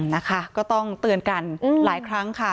นะคะก็ต้องเตือนกันหลายครั้งค่ะ